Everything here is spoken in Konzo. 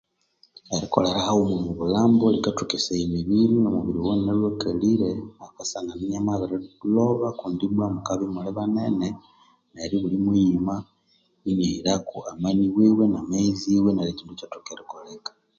Erikolera haguma omubulhambu limathokesaya emibiri nomubiri owalhwe akalire ghukasangana iniamabirilhoba kundi ibwa mukabya imuli banene obuli muyima iniahirako amani wiwe namaghezi iwe neryo ekindu ikyathoka erikoleka